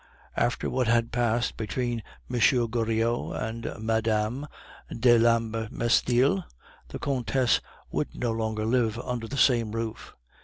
After what had passed between M. Goriot and Mme. de l'Ambermesnil, the Countess would no longer live under the same roof.